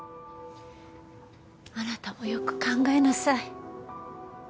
あなたもよく考えなさい。